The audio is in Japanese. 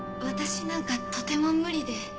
私なんかとても無理で。